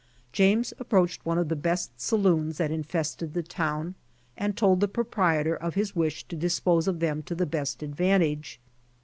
James approached one of the best saloons that infested the town and told the proprietor of his wish to dispose of theml to the best advantage.